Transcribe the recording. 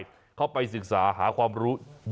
ยืนยันว่าม่อข้าวมาแกงลิงทั้งสองชนิด